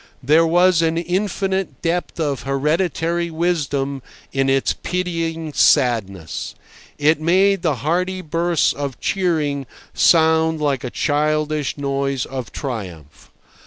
There was an infinite depth of hereditary wisdom in its pitying sadness. It made the hearty bursts of cheering sound like a childish noise of triumph.